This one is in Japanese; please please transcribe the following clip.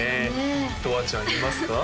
とわちゃん言えますか？